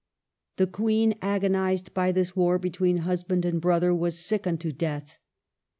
The Queen, ago nized by this war between husband and brother, was sick unto death.